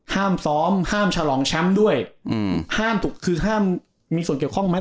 ห้ามซ้อมห้ามฉลองแชมป์ด้วยอืมห้ามถูกคือห้ามมีส่วนเกี่ยวข้องไหม